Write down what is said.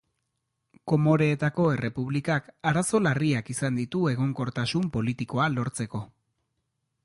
Komoreetako errepublikak arazo larriak izan ditu egonkortasun politikoa lortzeko.